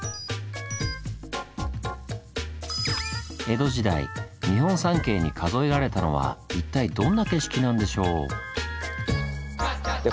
江戸時代日本三景に数えられたのは一体どんな景色なんでしょう？